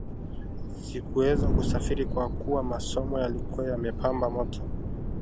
Sikuweza kusafiri kwa kuwa masomo yalikuwa yamepamba moto